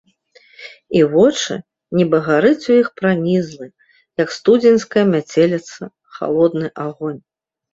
І вочы - нібы гарыць у іх пранізлы, як студзеньская мяцеліца, халодны агонь.